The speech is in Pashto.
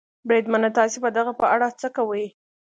بریدمنه، تاسې به د هغه په اړه څه کوئ؟